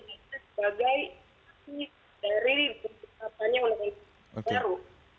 sebagai dari bentuk katanya yang baru